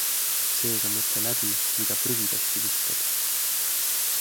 Seega mõtle läbi, mida prügikasti viskad.